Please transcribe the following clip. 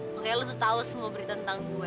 makanya lo tuh tau semua berita tentang gue